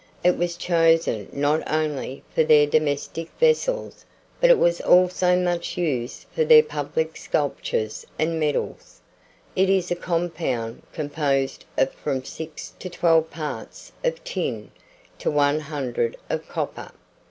It was chosen not only for their domestic vessels, but it was also much used for their public sculptures and medals. It is a compound, composed of from six to twelve parts of tin to one hundred of copper.